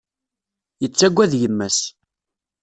Yettaggad yemma-s.